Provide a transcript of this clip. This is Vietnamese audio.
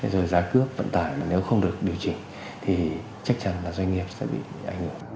rồi giá cước vận tải nếu không được điều chỉnh thì chắc chắn là doanh nghiệp sẽ bị ảnh hưởng